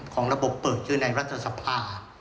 ของระบบเปิดชื่อในรัฐสภา